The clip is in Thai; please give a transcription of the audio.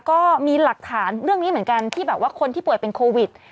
ก็มีหลักฐานเรื่องนี้เหมือนกันที่แบบว่าคนที่ป่วยเป็นโควิด